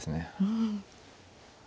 うん。